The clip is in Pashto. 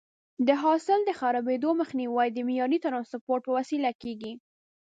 د حاصل د خرابېدو مخنیوی د معیاري ټرانسپورټ په وسیله کېږي.